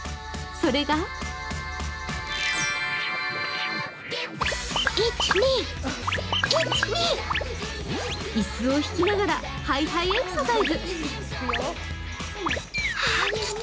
それが椅子を引きながら、ハイハイエクササイズ。